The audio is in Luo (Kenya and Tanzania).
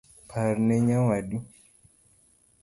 Parne nyawadu